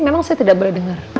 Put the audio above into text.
memang saya tidak boleh dengar